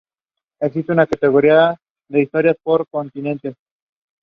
Acc.